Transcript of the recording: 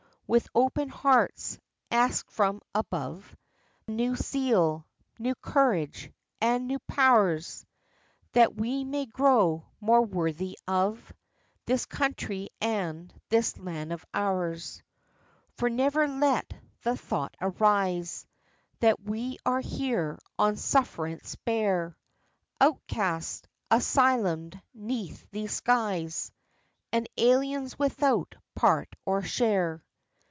With open hearts ask from above New zeal, new courage and new pow'rs, That we may grow more worthy of This country and this land of ours. For never let the thought arise That we are here on sufferance bare; Outcasts, asylumed 'neath these skies, And aliens without part or share.